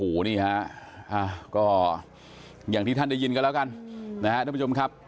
โอ้โหนี่ฮะก็อย่างที่ท่านได้ยินกันแล้วกันนะฮะท่านผู้ชมครับ